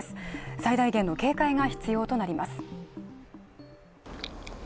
最大限の警戒が必要となります。